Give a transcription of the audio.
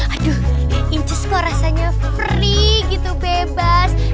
aduh incis kok rasanya free gitu bebas